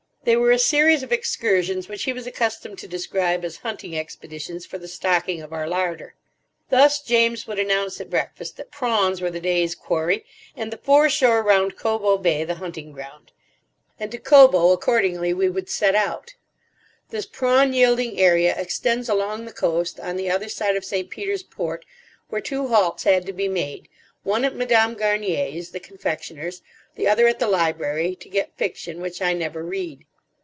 They were a series of excursions which he was accustomed to describe as hunting expeditions for the stocking of our larder. Thus James would announce at breakfast that prawns were the day's quarry, and the foreshore round Cobo Bay the hunting ground. And to Cobo, accordingly, we would set out. This prawn yielding area extends along the coast on the other side of St. Peter's Port, where two halts had to be made, one at Madame Garnier's, the confectioners, the other at the library, to get fiction, which I never read.